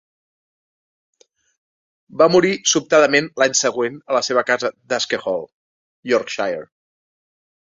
Va morir sobtadament l'any següent a la seva casa d'Aske Hall, Yorkshire.